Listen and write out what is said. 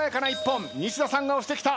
西田さんが押してきた。